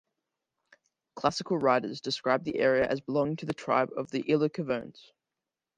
Classical writers described the area as belonging to the tribe of the Ilercavones.